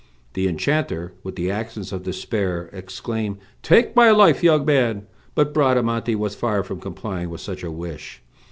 The enchanter, with the accents of despair, exclaimed, "Take my life, young man!" but Bradamante was far from complying with such a wish.